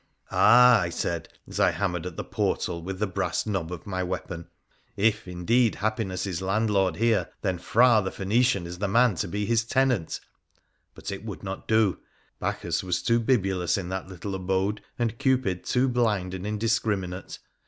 ' Ah !' I said, as I hammered at the portal with the brass knob of my weapon, ' if, indeed, happiness is landlord here, then Phra the Phoenician is the man to be his tenant 1 ' But it would not do. Bacchus was too bibulous in that little abode, and Cupid too blind and indiscriminate.